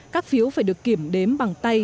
các phiếu phải được kiểm đếm bằng tay